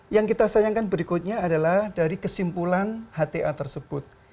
yang kita sayangkan berikutnya adalah dari kesimpulan hta tersebut